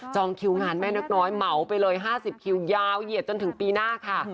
คิวงานแม่นกน้อยเหมาไปเลย๕๐คิวยาวเหยียดจนถึงปีหน้าค่ะ